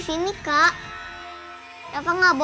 hem dan juga